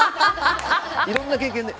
いろんな経験で。